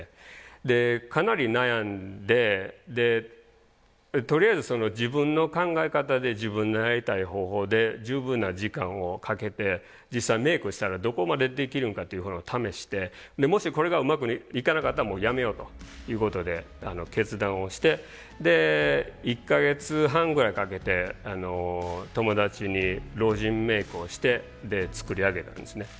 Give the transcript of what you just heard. でかなり悩んでとりあえず自分の考え方で自分のやりたい方法で十分な時間をかけて実際メイクをしたらどこまでできるんかっていうことを試してもしこれがうまくいかなかったらもうやめようということで決断をしてで１か月半ぐらいかけて友達に老人メイクをして作り上げたんですね。